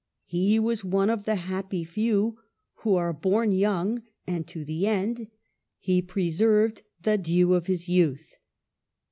He was one of the happy few who are born young, and to the end he preserved the dew of his youth.